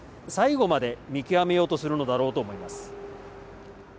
最後まで見極めようとするのだろうと思います。